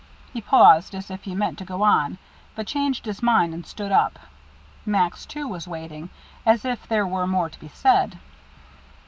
He paused as if he meant to go on, but changed his mind and stood up. Max, too, was waiting, as if there were more to be said.